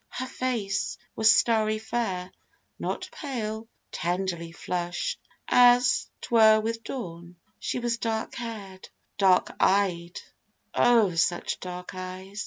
Her face Was starry fair, not pale, tenderly flush'd As 'twere with dawn. She was dark hair'd, dark eyed; Oh, such dark eyes!